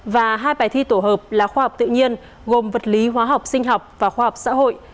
và hai bài thi tổ hợp là khoa học tự nhiên gồm vật lý hóa học sinh học và khoa học xã hội